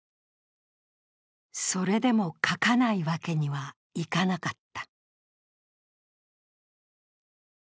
それでも描かないわけにはいかなかった。